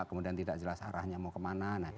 kemudian tidak jelas arahnya mau kemana